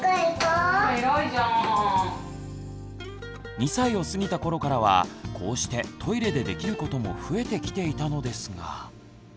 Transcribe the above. ２歳を過ぎた頃からはこうしてトイレでできることも増えてきていたのですが。